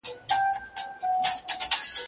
پرېږده جهاني دا د نیکه او د اباکیسې